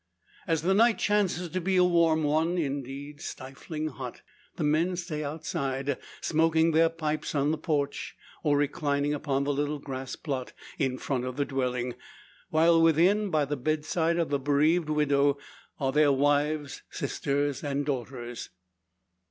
As the night chances to be a warm one indeed stifling hot, the men stay outside, smoking their pipes in the porch, or reclining upon the little grass plot in front of the dwelling, while within, by the bedside of the bereaved widow, are their wives, sisters, and daughters.